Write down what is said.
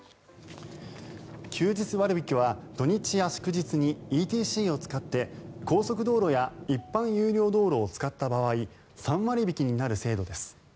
休日割引は土日や祝日にＥＴＣを使って高速道路や一般有料道路を使った場合３割引きになる制度です。